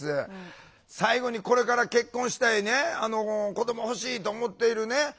最後にこれから結婚したりね子ども欲しいと思っているね